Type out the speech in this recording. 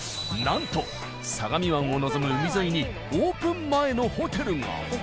なんと相模湾をのぞむ海沿いにオープン前のホテルが。